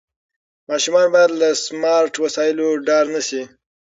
ماشومان باید له سمارټ وسایلو ډار نه سي.